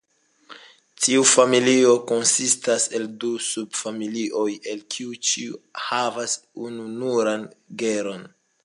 Tiu familio konsistas el du subfamilioj, el kiu ĉiu havas ununuran genron.